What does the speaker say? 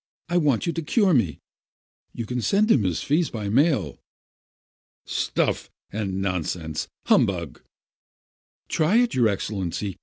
I want you to cure me. 9 You can send him his fee by mail." "Stuff and nonsense ! Humbug !" "Just try it, your Excellency !